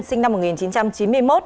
sinh năm một nghìn chín trăm chín mươi bảy